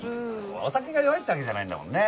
お酒が弱いってわけじゃないんだもんね。